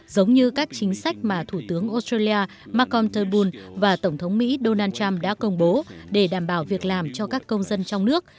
giống như các chính sách mà thủ tướng australia marcomterbul và tổng thống mỹ donald trump đã công bố để đảm bảo việc làm cho các công dân trong nước